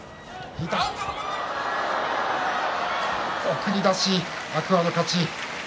送り出し、天空海の勝ち。